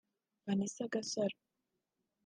Vanessa Gasaro